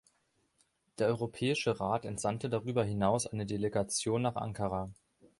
Der Europäische Rat entsandte darüber hinaus eine Delegation nach Ankara.